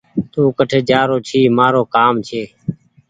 تو ڪٺ جآرو ڇي مآرو ڪآم ڇي